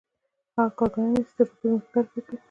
هغه کارګران نیسي تر څو په ځمکو کې کار وکړي